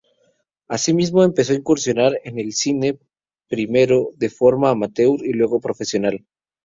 Asimismo, empezó a incursionar en el cine, primero de forma amateur y luego profesional.